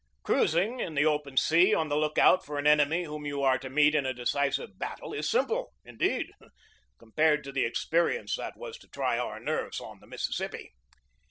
Cruising in the open sea on the lookout for an enemy whom you are to meet in a decisive battle is simple, indeed, compared to the experience that was to try our nerves on the Mississippi.